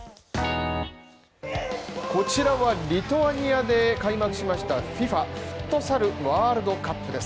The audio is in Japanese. こちらはリトアニアで開幕しましたＦＩＦＡフットサルワールドカップです。